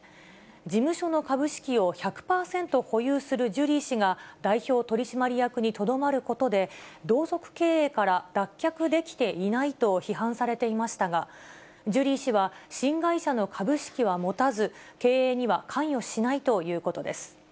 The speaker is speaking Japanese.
事務所の株式を１００％保有するジュリー氏が代表取締役にとどまることで、同族経営から脱却できていないと批判されていましたが、ジュリー氏は、新会社の株式は持たず、経営には関与しないということです。